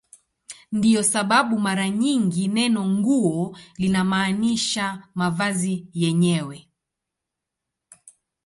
Ndiyo sababu mara nyingi neno "nguo" linamaanisha mavazi yenyewe.